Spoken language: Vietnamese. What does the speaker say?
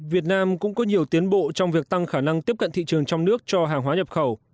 việt nam cũng có nhiều tiến bộ trong việc tăng khả năng tiếp cận thị trường trong nước cho hàng hóa nhập khẩu